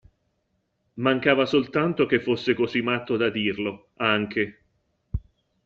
Mancava soltanto che fosse così matto da dirlo, anche!